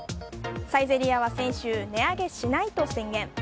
サイゼリヤは先週値上げしないと宣言。